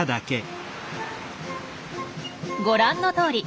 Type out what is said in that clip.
ご覧のとおり。